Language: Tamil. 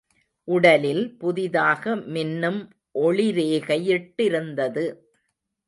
உடலில் புதிதாக மின்னும் ஒளி ரேகை யிட்டிருந்தது.